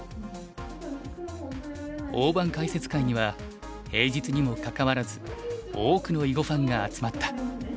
大盤解説会には平日にもかかわらず多くの囲碁ファンが集まった。